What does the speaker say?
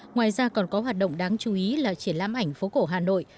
ngoài ra còn có hoạt động đáng chú ý là triển lãm ảnh phố cổ hà nội